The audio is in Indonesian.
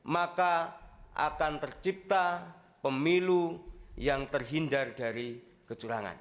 maka akan tercipta pemilu yang terhindar dari kecurangan